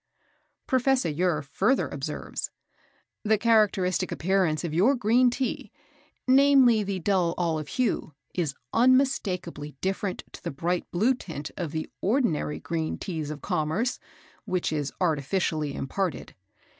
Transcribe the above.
Professor Ure further observes: "The characteristic appearance of your green Tea, namely the dull olive hue, is unmistakably different to the bright blue tint of the ordinary green Teas of commerce, which is artificially imparted.